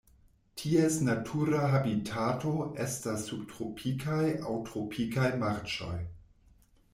Ties natura habitato estas subtropikaj aŭ tropikaj marĉoj.